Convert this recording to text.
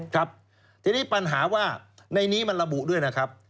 ครับทีนี้ปัญหาว่าในนี้มันระบุด้วยนะครับ